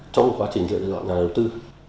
trong quá trình dự án đầu tư